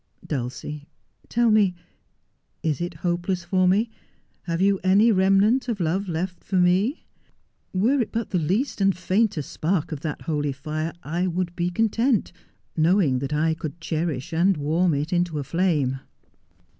Dulcie, tell me, is it hopeless for me — have you any remnant of love left for me ? Were it but the least and faintest spark of that holy fire, I would be content, knowing that I could cherish and warm it into a flame.'